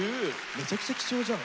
めちゃくちゃ貴重じゃん。